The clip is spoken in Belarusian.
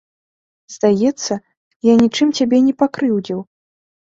Здаецца, я нічым цябе не пакрыўдзіў.